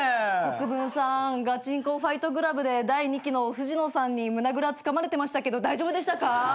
国分さん『ガチンコ！』ファイトクラブで第２期の藤野さんに胸ぐらつかまれてましたけど大丈夫でしたか？